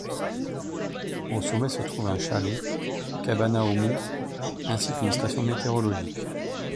Au sommet se trouve un chalet, Cabana Omu, ainsi qu'une station météorologique.